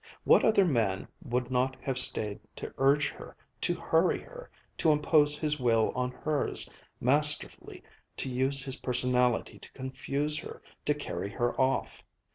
What other man would not have stayed to urge her, to hurry her, to impose his will on hers, masterfully to use his personality to confuse her, to carry her off?